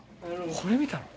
これ見たの？